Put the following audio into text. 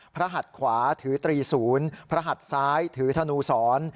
หัดขวาถือตรีศูนย์พระหัดซ้ายถือธนูสอน